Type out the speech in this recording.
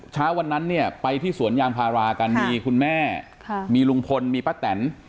เช้าวันนั้นเนี่ยไปที่สวนยางพารากันมีคุณแม่มีลุงพลมีป้าแตน